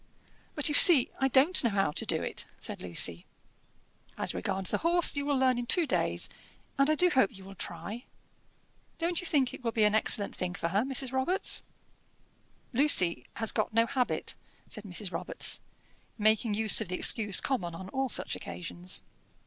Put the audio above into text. "But you see I don't know how to do it," said Lucy. "As regards the horse, you will learn in two days, and I do hope you will try. Don't you think it will be an excellent thing for her, Mrs. Robarts?" "Lucy has got no habit," said Mrs. Robarts, making use of the excuse common on all such occasions.